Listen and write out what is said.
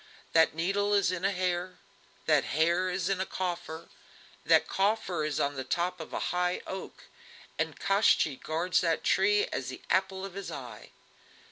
That needle is in a hare, that hare is in a coffer, that coffer is on the top of a high oak, and Koshchei guards that tree as the apple of his eye."